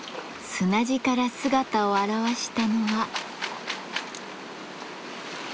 砂地から姿を現したのは。